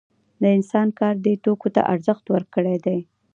د انسان کار دې توکو ته ارزښت ورکړی دی